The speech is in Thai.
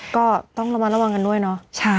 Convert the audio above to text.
ก็ต้องระมัดระวังกันด้วยเนาะ